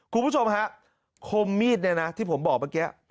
คุณผู้ชมฮะคมมีดเนี่ยนะที่ผมบอกเมื่อกี้